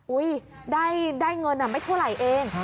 ได้เงินไม่เท่าไหร่เอง